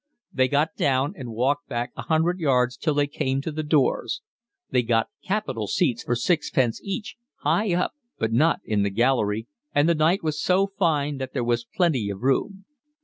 They got down and walked back a hundred yards till they came to the doors. They got capital seats for sixpence each, high up but not in the gallery, and the night was so fine that there was plenty of room.